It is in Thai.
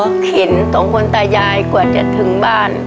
ก็เห็นสองคนตายายกว่าจะถึงบ้าน